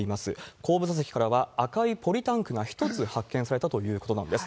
後部座席からは赤いポリタンクが１つ発見されたということなんです。